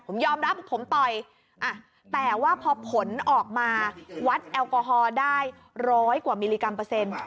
ผมยอมรับผมต่อยแต่ว่าพอผลออกมาวัดแอลกอฮอล์ได้ร้อยกว่ามิลลิกรัมเปอร์เซ็นต์